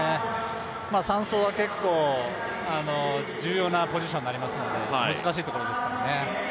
３走は結構重要なポジションになるので難しいところですよね。